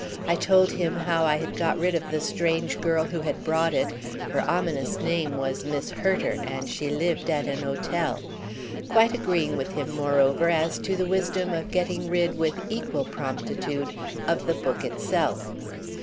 I told him how I had got rid of the strange girl who had brought it—her ominous name was Miss Hurter and she lived at an hotel; quite agreeing with him moreover as to the wisdom of getting rid with equal promptitude of the book itself.